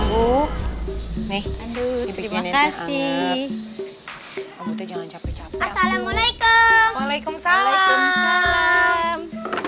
ibu nih terima kasih jangan capek assalamualaikum waalaikumsalam